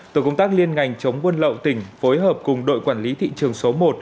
tổ công tác liên ngành chống buôn lậu tỉnh phối hợp cùng đội quản lý thị trường số một